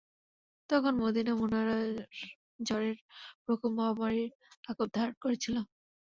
তখন মদীনা মুনাওয়ারায় জ্বরের প্রকোপ মহামারী আকার ধারণ করেছিল।